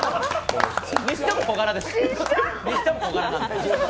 にしても小柄です。